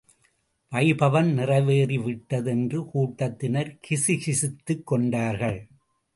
வைபவம் நிறைவேறி விட்டது என்று கூட்டத்தினர் கிசுகிசுத்துக் கொண்டார்கள்.